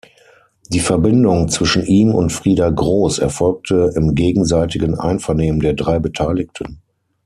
Die Verbindung zwischen ihm und Frieda Gross erfolgte im gegenseitigen Einvernehmen der drei Beteiligten.